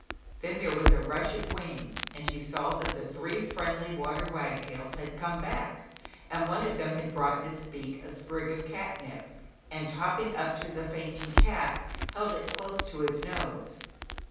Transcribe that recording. Then there was a rush of wings and she saw that the three friendly water wag tails had come back, and one of them had brought in its beak a sprig of catnip 107 108 ZAUBERLINDA, THE WISE WITCH. and hopping up to the fainting cat, held it close to his nose.